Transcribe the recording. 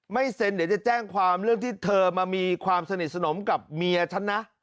เซ็นเดี๋ยวจะแจ้งความเรื่องที่เธอมามีความสนิทสนมกับเมียฉันนะ